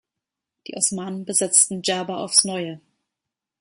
Die Osmanen besetzten Djerba aufs Neue.